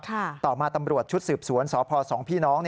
ต่อมาตำรวจชุดสืบสวนสพสองพี่น้อง